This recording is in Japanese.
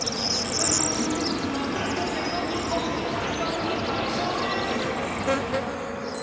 ２人の新戦力が大活躍の日本、台湾に大勝です。